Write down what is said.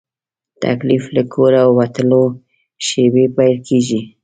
تکلیف له کوره وتلو شېبې پیل کېږي.